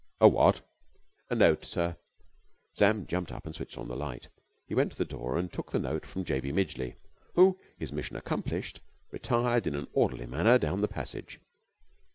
"A what?" "A note, sir." Sam jumped up and switched on the light. He went to the door and took the note from J. B. Midgeley, who, his mission accomplished, retired in an orderly manner down the passage.